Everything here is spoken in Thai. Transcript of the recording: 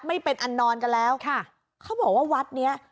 ไม่เป็นอันนอนกันแล้วค่ะเขาบอกว่าวัดเนี้ย